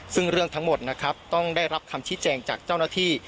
ซึ่งเรื่องทั้งหมดนะครับต้องได้รับคำชี้แจงจากเจ้าหน้าที่